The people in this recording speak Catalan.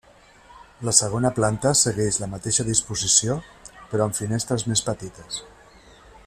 La segona planta segueix la mateixa disposició, però amb finestres més petites.